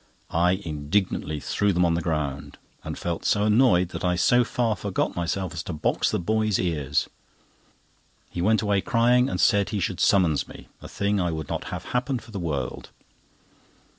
I indignantly threw them on the ground, and felt so annoyed that I so far forgot myself as to box the boy's ears. He went away crying, and said he should summons me, a thing I would not have happen for the world.